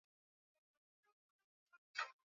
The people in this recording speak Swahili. Naamba kazi ni kazi, vyovyote vile iwavyo